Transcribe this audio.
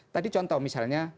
tadi contoh misalnya